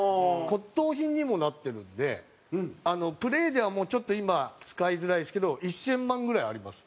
骨董品にもなってるんでプレーではもうちょっと今使いづらいですけど１０００万ぐらいあります。